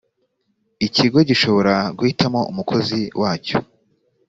ikigo gishobora guhitamo umukozi wacyo